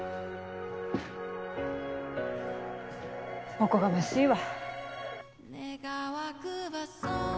おこがましいわ。